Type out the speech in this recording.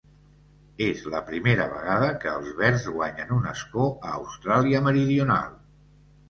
És la primera vegada que els verds guanyen un escó a Austràlia Meridional.